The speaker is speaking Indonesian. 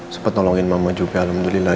sempat nolongin mama juga alhamdulillah